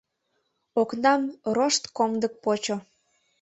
Окнам рошт комдык почо.